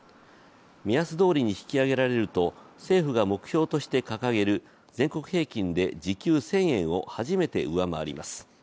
目安どおりに引き上げられると政府が目標として掲げる全国平均で時給１０００円を初めて上回ります。